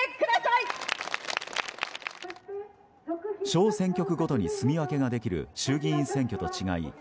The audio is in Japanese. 小選挙区ごとにすみ分けができる衆議院選挙と違い